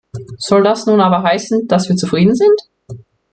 Soll das nun aber heißen, dass wir zufrieden sind?